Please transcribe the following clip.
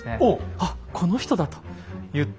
「あっこの人だ」と言ったと。